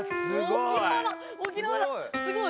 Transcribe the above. すごい！